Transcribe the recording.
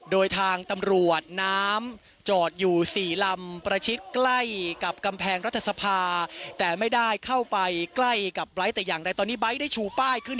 โดยทางตำรวจน้ำจอดอยู่๔ลำประชิดใกล้กับกำแพงรัฐสภาแต่ไม่ได้เข้าไปใกล้กับไลท์แต่อย่างใดตอนนี้ไบท์ได้ชูป้ายขึ้น